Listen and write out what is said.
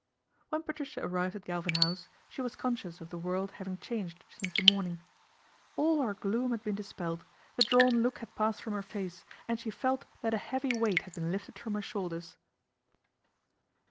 When Patricia arrived at Galvin House, she was :onscious of the world having changed since the morning. All her gloom had been dispelled, the drawn look had passed from her face, and she felt that a heavy weight had been lifted from her shoulders.